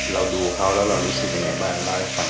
เราดูเขาแล้วเรารู้สึกยังไงบ้างเล่าให้ฟัง